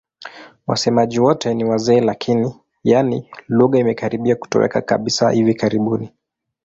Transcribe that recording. Wasemaji wote ni wazee lakini, yaani lugha imekaribia kutoweka kabisa hivi karibuni.